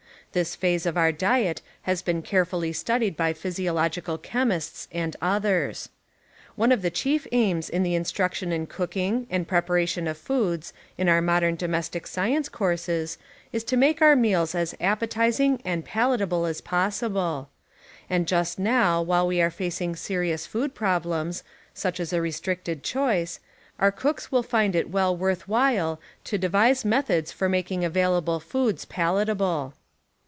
This phase of our diet has been carefully stiulied by physiological chemists and others.* One of the chief aims of the instruction in cooking, and preparation of foods, in our modern domestic science courses is to make our meals as appetizing and palatable as possible. And just now while we are facing serious food problems, such as a restricted choice, our cooks will find it well worth while to de vise methods for making available foods palatable.